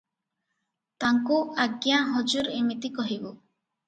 ତାଙ୍କୁ, ଆଜ୍ଞା, ହଜୁର, ଏମିତି କହିବୁ ।